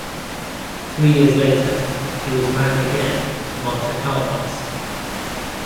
Three years later he was married again to Marta Karlweis.